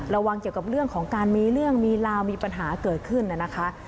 ระวังเกี่ยวกับเรื่องของการมีเรื่องมีราวมีปัญหาเกิดขึ้นนะคะ